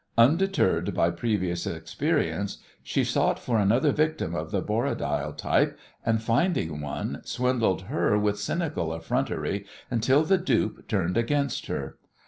Undeterred by previous experience, she sought for another victim of the Borradaile type, and, finding one, swindled her with cynical effrontery until the dupe turned against her.